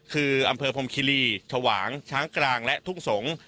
คืออำเภอพรมคิรีชวางช้างกลางและทุ่งสงศ์